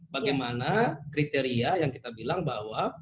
bagaimana kriteria yang kita bilang bahwa